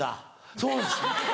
そうです。